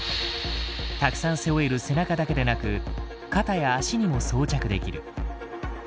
たくさん背負える背中だけでなく肩や足にも装着できる。